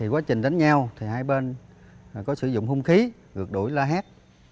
quá trình đánh nhau hai bên có sử dụng hung khí ngược đổi la hét